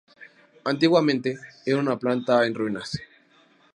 Antiguamente, era una planta en ruinas.